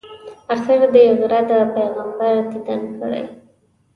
آخر دې غره د پیغمبر دیدن کړی.